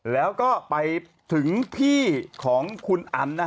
แล้วก็ไปถึงพี่ของคุณอันนะฮะ